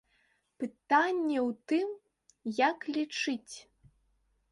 Пытанне ў тым, як лічыць.